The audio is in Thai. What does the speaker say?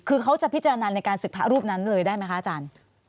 คือเขาจะพิจารณาในการศึกษารูปนั้นเลยได้ไหมคะอาจารย์